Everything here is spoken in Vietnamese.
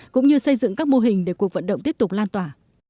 cũng như xây dựng các mô hình để cuộc vận động tiếp tục lan tỏa